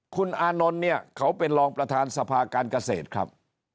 คุณอานนท์เนี่ยเขาเป็นรองประธานสภาการเกษตรครับ